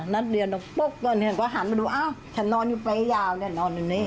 นัดเดียวปุ๊บตอนนี้ก็หันมาดูอ้าวฉันนอนอยู่ไปยาวเนี่ยนอนอยู่นี่